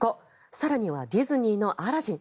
更にはディズニーの「アラジン」